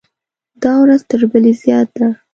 دا ورځ تر بلې زیات ده.